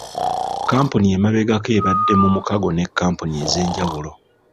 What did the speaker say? Kampuni emabegako ebadde mu mukago ne kampuni ez'enjawulo.